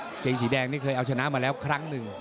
เกงสีแดงนี่เคยเอาชนะมาแล้วครั้งหนึ่ง